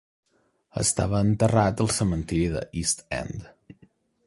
Estava enterrat al cementiri de East End.